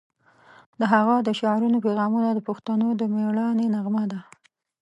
د هغه د شعرونو پیغامونه د پښتنو د میړانې نغمه ده.